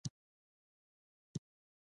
وینه د مسافرو په وجود کې وچه شوې وه.